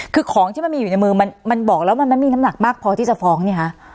คือของที่มันมีอยู่ในมือมันบอกแล้วมันไม่มีน้ำหนักมากพอที่จะฟ้องเนี่ยคะ